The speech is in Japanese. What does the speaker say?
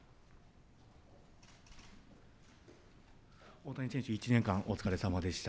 大谷選手、１年間お疲れさまでした。